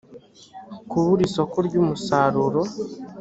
kubura isoko ry umusaruro